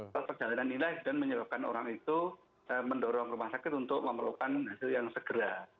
proses perjalanan inilah yang menyebabkan orang itu mendorong rumah sakit untuk memerlukan hasil yang segera